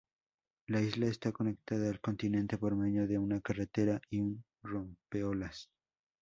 La isla está conectada al continente por medio de una carretera y un rompeolas.